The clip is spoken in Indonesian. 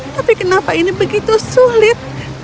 tapi kenapa ini begitu sulit